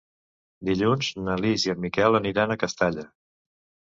Dilluns na Lis i en Miquel aniran a Castalla.